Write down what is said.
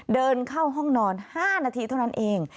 เดินเข้าห้องนอน๕นาทีเท่านั้นเอง